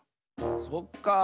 そっかあ。